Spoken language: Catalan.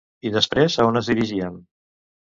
I després a on es dirigien?